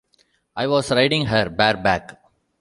I was riding her bareback...